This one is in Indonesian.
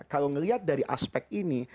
kalau melihat dari aspek ini